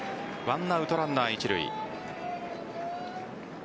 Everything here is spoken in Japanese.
１アウトランナー一塁。